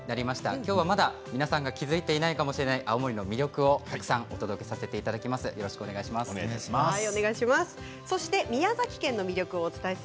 きょうはまだ皆さんが気付いていないおしゃれな青森の魅力をたくさんお届けさせていただきます。